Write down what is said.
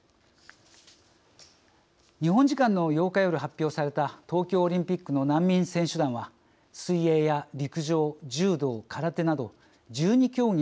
日本時間の８日夜発表された東京オリンピックの難民選手団は水泳や陸上柔道空手など１２競技の合わせて２９人。